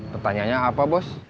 pertanyaannya apa bos